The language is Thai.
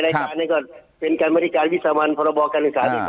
รายการน่ะก็เป็นการบริการวิศวรรณพปรบคศาลคศิลปรรณ